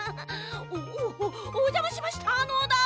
おおおじゃましましたのだ！